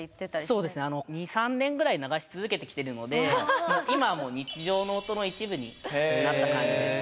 そうですねあの２３年ぐらい流し続けてきてるので今はもう「日常の音の一部」になった感じです。